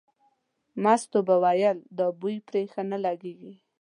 مستو به ویل دا بوی پرې ښه نه لګېږي.